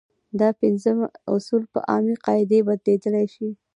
دا پنځه اصول په عامې قاعدې بدلېدلی شي.